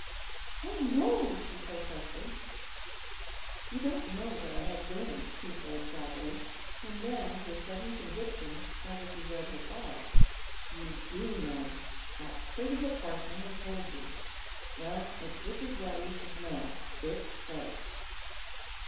"Oh no!" she protested. "You don't know what I have been," he said, sadly, and then with sudden conviction, as if he read her thoughts: "You do know! That prig of a parson has told you! Well, it's just as well you should know. It's right!"